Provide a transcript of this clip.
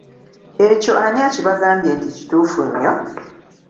Ekyo ani akibagambye nti kituufu nnyo?